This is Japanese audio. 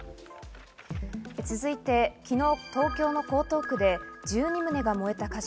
続いて、昨日東京・江東区で１２棟が燃えた火事。